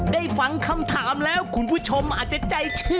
ได้ฟังคำถามแล้วคุณผู้ชมอาจจะใจเชื่อ